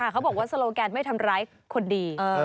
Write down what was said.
เขาบอกว่าโซโลแกนไม่ทำร้ายคนดี